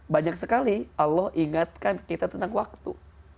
banyak sekali allah ingatkan kita tentang waktu